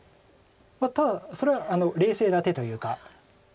ただそれは冷静な手というか。